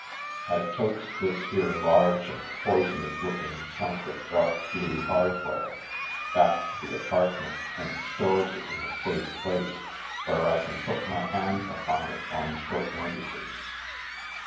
I totes this here large and poisonous looking chunk of dark blue hardware back to the apartment and stores it in a safe place where I can put my hand apon it on short notices.